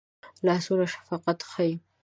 لاسونه شفقت ښيي